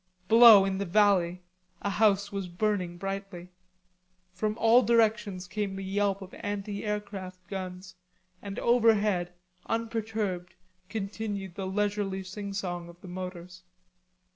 Below in the valley a house was burning brightly. From all directions came the yelp of anti aircraft guns, and overhead unperturbed continued the leisurely singsong of the motors.